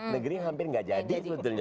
negeri hampir gak jadi